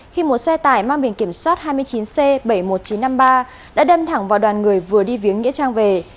khi một xe tải mang biển kiểm soát hai mươi chín c bảy mươi một nghìn chín trăm năm mươi ba đã đâm thẳng vào đoàn người vừa đi viếng nghĩa trang về